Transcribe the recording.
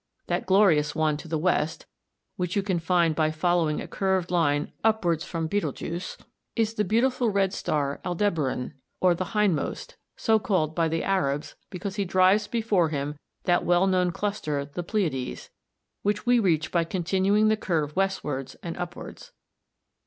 That glorious one to the west, which you can find by following (Fig. 54) a curved line upwards from Betelgeux, is the beautiful red star Aldebaran or the hindmost; so called by the Arabs, because he drives before him that well known cluster, the Pleiades, which we reach by continuing the curve westwards and upwards.